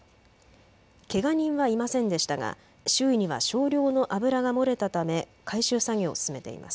けが人はいませんでしたが周囲には少量の油が漏れたため回収作業を進めています。